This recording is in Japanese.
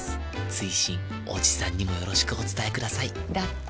追伸おじさんにもよろしくお伝えくださいだって。